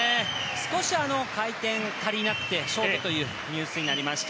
少し回転足りなくてショートという入水になりました。